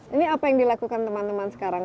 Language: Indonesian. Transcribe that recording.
ini apa yang dilakukan teman teman sekarang